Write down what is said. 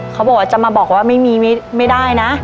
เขาบอกว่าไม่ได้นะ